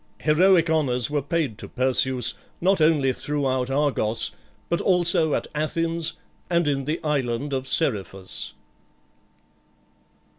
Heroic honours were paid to Perseus, not only throughout Argos, but also at Athens and in the island of Seriphus.